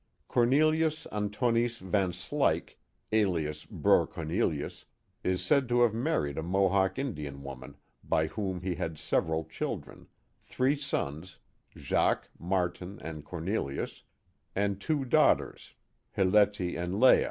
Cornelius Antonisse Van Slyke, alias Broer Cornelius, is said to have married a Mohawk Indian woman, by whom he had several children, — three sons, Jacques, Marten, and Cornelius, and two daughters, Hilletie and Lea.